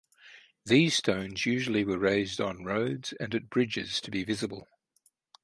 These stones usually were raised on roads and at bridges to be visible.